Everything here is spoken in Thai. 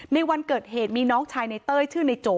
ในวันเกิดเหตุมีน้องชายในเต้ยชื่อในโจ